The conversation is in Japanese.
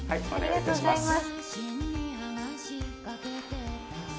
ありがとうございます。